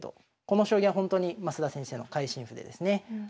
この将棋はほんとに升田先生の会心譜でですね